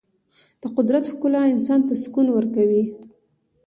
د قدرت ښکلا انسان ته سکون ورکوي.